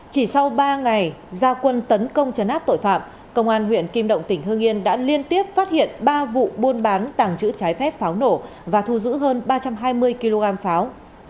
chỉ sau ba ngày gia quân tấn công chấn áp tội phạm công an huyện kim động tỉnh hương yên đã liên tiếp phát hiện ba vụ buôn bán tàng trữ trái phép pháo nổ và thu giữ hơn ba trăm hai mươi kg pháo